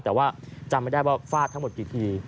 แต่ว่าจำไม่ได้ว่าฟาดทั้งหมดกี่ที